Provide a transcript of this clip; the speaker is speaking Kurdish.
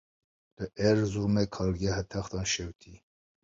Li Erzeromê kargeha textan şewitî.